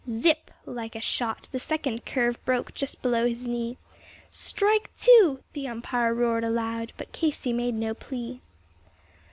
Zip! Like a shot, the second curve broke just below his knee "Strike two!" the umpire roared aloud; but Casey made no plea.